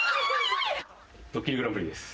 『ドッキリＧＰ』です。